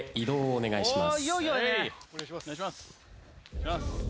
お願いします！